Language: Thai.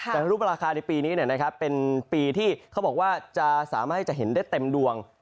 แต่รูปราคาในปีนี้เป็นปีที่เขาบอกว่าจะสามารถให้จะเห็นได้เต็มดวง